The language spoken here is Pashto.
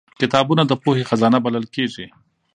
کتابونه د پوهې خزانه بلل کېږي